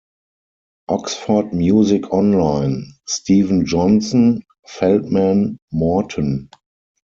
Oxford Music Online, Steven Johnson, "Feldman, Morton"